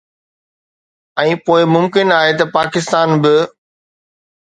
۽ پوءِ ممڪن آهي ته پاڪستان به